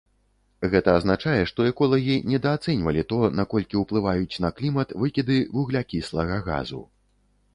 Гэта азначае, што эколагі недаацэньвалі то, наколькі ўплываюць на клімат выкіды вуглякіслага газу.